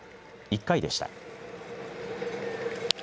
１回でした。